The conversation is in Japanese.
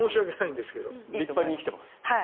立派に生きてます。